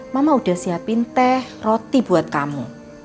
mama udah siapin teh roti buat kamu